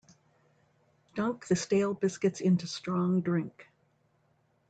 Dunk the stale biscuits into strong drink.